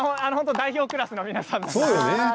代表クラスの皆さんですから。